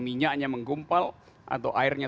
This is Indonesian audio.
minyaknya menggumpal atau airnya